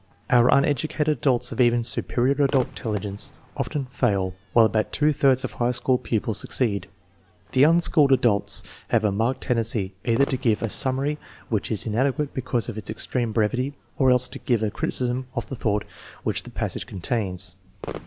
Our uneducated adults of even " su perior adult " intelligence often fail, while about two thirds of high school pupils succeed. The unschooled adults have a marked tendency either to give a summary which is in adequate because of its extreme brevity, or else to give a criticism of the thought which the passage contains.